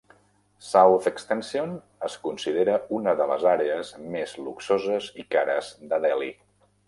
"South Extension" es considera una de les àrees més luxoses i cares de Delhi.